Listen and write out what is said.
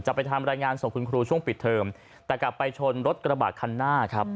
ไปทำรายงานส่งคุณครูช่วงปิดเทอมแต่กลับไปชนรถกระบะคันหน้าครับ